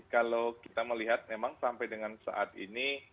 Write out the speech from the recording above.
kalau kita melihat memang sampai dengan saat ini